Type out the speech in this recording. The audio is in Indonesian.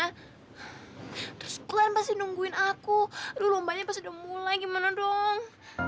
terus kalian pasti nungguin aku dulu banyak sudah mulai gimana dong